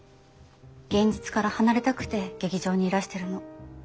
現実から離れたくて劇場にいらしてるの。